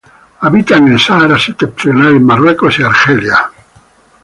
Habita en el Sahara septentrional en Marruecos y Argelia.